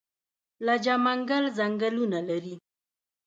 لجه منګل ځنګلونه لري؟